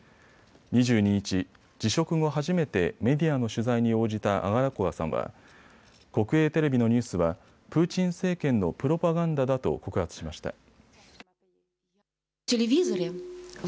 ２２日、辞職後初めてメディアの取材に応じたアガラコワさんは国営テレビのニュースはプーチン政権のプロパガンダだと告発しました。